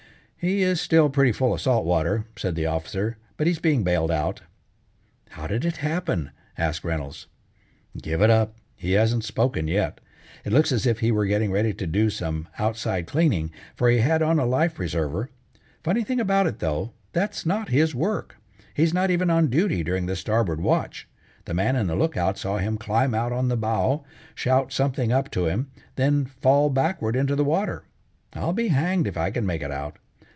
"He is still pretty full of salt water," said the Officer, "but he is being bailed out." "How did it happen?" asked Reynolds. "Give it up. He hasn't spoken yet. It looks as if he were getting ready to do some outside cleaning, for he had on a life preserver. Funny thing about it, though, that's not his work. He's not even on duty during the starboard watch. The man in the lookout saw him climb out on the bow, shout something up to him, then fall backward into the water. I'll be hanged if I can make it out.